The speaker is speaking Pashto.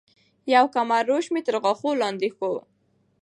يو کمر روش مي تر غاښو لاندي کو